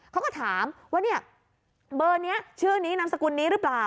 เขาก็ถามว่าเนี่ยเบอร์นี้ชื่อนี้นามสกุลนี้หรือเปล่า